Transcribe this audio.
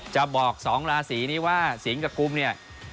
จะบอก๒ราศีนี้ว่าสิงห์กับกุมเนี่ย